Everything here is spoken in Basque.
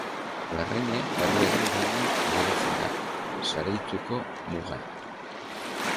Larraine herriaren gainean geratzen da, Zaraitzuko mugan.